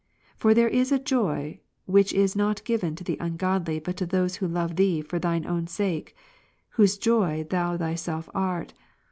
For there is a. joy which is not given to the ungodly, but to those who love Thee for Thine own sake, whose joy Thou Thyself art.